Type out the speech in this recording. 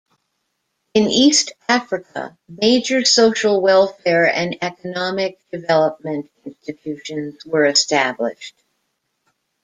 In East Africa, major social welfare and economic development institutions were established.